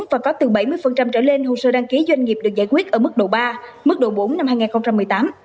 và có từ bảy mươi trở lên hồ sơ đăng ký doanh nghiệp được giải quyết ở mức độ ba mức độ bốn năm hai nghìn một mươi tám